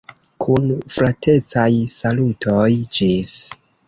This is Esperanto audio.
Kun fratecaj salutoj, ĝis!